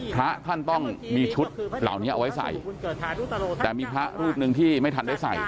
พระท่านต้องมีชุดเหล่านี้เอาไว้ใส่แต่มีพระรูปหนึ่งที่ไม่ทันได้ใส่